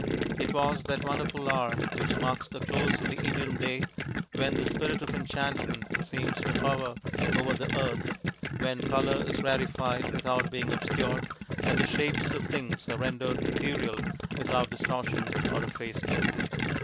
It was that wonderful hour which marks the close of the Indian day, when the Spirit of Enchantment seems to hover over the earth, when colour is rarefied without being obscured, and the shapes of things are rendered ethereal without distortion or efface ment.